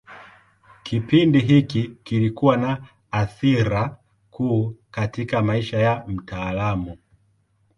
Kipindi hiki kilikuwa na athira kuu katika maisha ya mtaalamu.